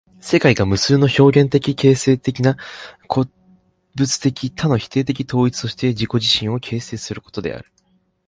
世界が無数の表現的形成的な個物的多の否定的統一として自己自身を形成することである。